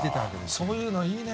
そういうのいいね。